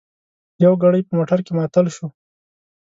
یو ګړی په موټر کې معطل شوو.